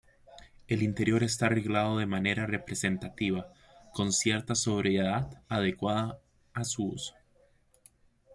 El interior está arreglado de manera representativa, con cierta sobriedad, adecuada a su uso.